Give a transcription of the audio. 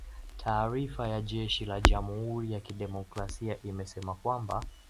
Taarifa ya jeshi la jamhuri ya kidemokrasia imesema kwamba